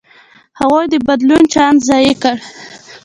هغوی د بدلون چانس ضایع کړ.